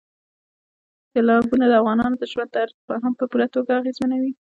سیلابونه د افغانانو د ژوند طرز هم په پوره توګه اغېزمنوي.